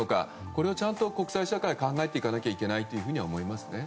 これをちゃんと国際社会は考えていかないといけないと思いますね。